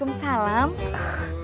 kemaja sih permainan